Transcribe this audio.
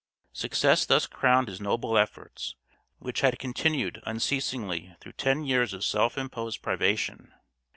Success thus crowned his noble efforts, which had continued unceasingly through ten years of self imposed privation.